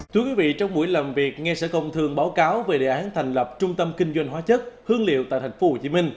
thưa quý vị trong buổi làm việc nghe sở công thương báo cáo về đề án thành lập trung tâm kinh doanh hóa chất hương liệu tại tp hcm